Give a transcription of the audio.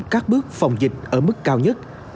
các bước phòng dịch ở mức cao nhất